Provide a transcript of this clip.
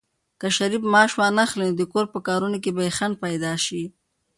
که شریف معاش وانخلي، نو د کور په کارونو کې به خنډ پيدا شي.